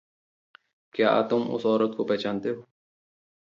क्या तुम उस औरत को पहचानते हो?